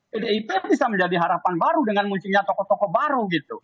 pdip bisa menjadi harapan baru dengan munculnya tokoh tokoh baru gitu